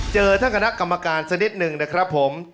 เจอท่านคณะกรรมการสักนิดหนึ่งนะครับผม